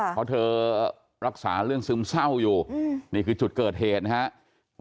เพราะเธอรักษาเรื่องซึมเศร้าอยู่นี่คือจุดเกิดเหตุนะครับ